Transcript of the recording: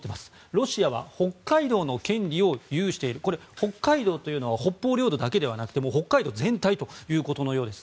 ロシアは北海道の権利を有しているこれ、北海道というのは北方領土だけではなくて北海道全体ということのようです。